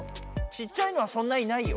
ちっちゃいのはそんないないよ。